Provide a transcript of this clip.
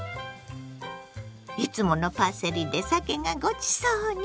いつものパセリでさけがごちそうに。